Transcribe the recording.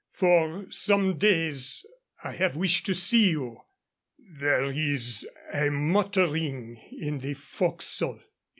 For some days I have wished to see you. There is a muttering in the forecastle.